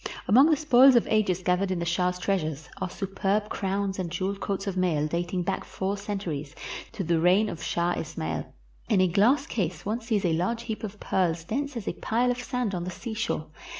Among 449 PERSIA the spoils of ages gathered in the shah's treasury are superb crowns and jeweled coats of mail dating back four centuries, to the reign of Shah Ismael. In a glass case one sees a large heap of pearls dense as a pile of sand on the seashore.